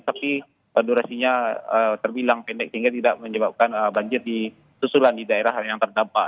tapi durasinya terbilang pendek sehingga tidak menyebabkan banjir di susulan di daerah yang terdampak